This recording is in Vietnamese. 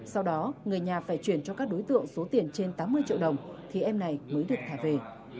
sau đó người nhà phải chuyển cho các đối tượng số tiền trên tám mươi triệu đồng thì em này mới được thả về